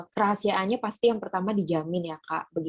kerahasiaannya pasti yang pertama dijamin ya kak